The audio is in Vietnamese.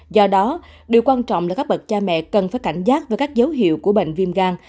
do đó điều quan trọng là các bậc cha mẹ cần phải cảnh giác về các dấu hiệu của bệnh viêm gan